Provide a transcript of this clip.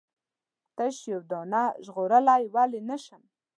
تش یوه دانه ژغورلای ولې نه شم؟